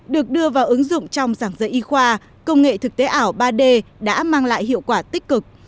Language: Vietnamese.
được đưa vào ứng dụng trong giảng dạy y khoa công nghệ thực tế ảo ba d đã mang lại hiệu quả tích cực